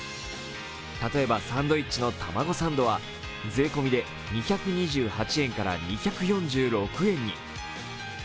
例えばサンドイッチのたまごサンドは税込みで２２８円から２４６円に。